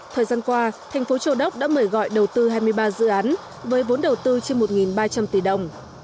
thời gian qua thành phố châu đốc đã mời gọi đầu tư hai mươi ba dự án với vốn đầu tư trên một ba trăm linh tỷ đồng